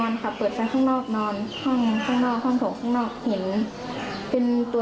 ใช่ค่ะย้ายแล้วค่ะ